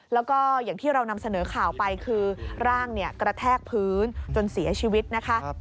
แล้วก็อย่างที่เรานำเสนอข่าวไปคือร่างกระแทกพื้นจนเสียชีวิตนะคะ